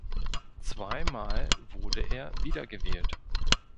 Zweimal wurde er wiedergewählt.